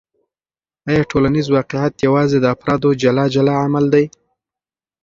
آیا ټولنیز واقعیت یوازې د افرادو جلا جلا عمل دی؟